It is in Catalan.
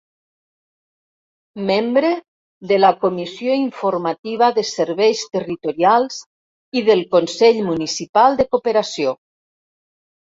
Membre de la Comissió informativa de serveis territorials i del Consell Municipal de Cooperació.